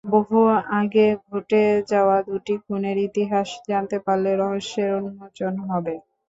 বহু আগে ঘটে যাওয়া দুটি খুনের ইতিহাস জানতে পারলে রহস্যের উন্মোচন হবে।